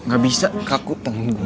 gak bisa kaku tengguh